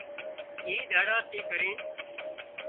اي ۮاڙا ٿِي ڪرينَ